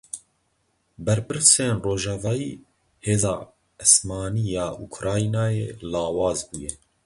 Berpirsên Rojavayî: Hêza esmanî ya Ukraynayê lawaz bûye.